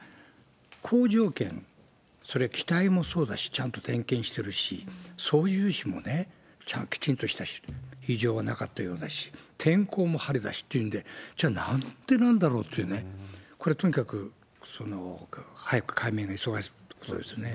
それからいろんな好条件、それ、機体もそうだし、ちゃんと点検してるし、操縦士もちゃんときちんとした、異常はなかったようだし、天候も晴れだしというので、じゃあ、なんでなんだろう？というね、これはとにかく早く解明が急がれることですね。